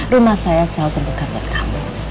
rumah saya selalu terbuka buat kamu